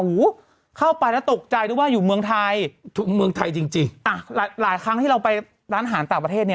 โอ้โหเข้าไปแล้วตกใจนึกว่าอยู่เมืองไทยเมืองไทยจริงจริงอ่ะหลายหลายครั้งที่เราไปร้านอาหารต่างประเทศเนี้ย